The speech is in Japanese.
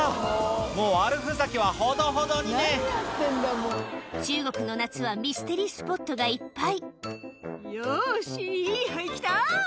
もう悪ふざけはほどほどにね中国の夏はミステリースポットがいっぱい「よしいい牌来た！」